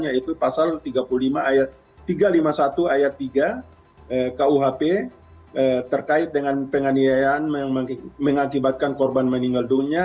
yaitu pasal tiga ratus lima puluh satu ayat tiga kuhp terkait dengan penganiayaan mengakibatkan korban meninggal dunia